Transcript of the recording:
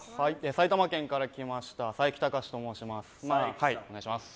埼玉県から来ました佐伯タカシと申します。